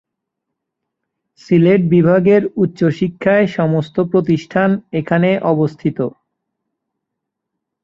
সিলেট বিভাগের উচ্চ শিক্ষার সমস্ত প্রতিষ্ঠান এখানে অবস্থিত।